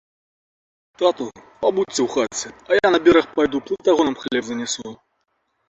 Тату, пабудзьце у хаце, а я на бераг пайду, плытагонам хлеб занясу.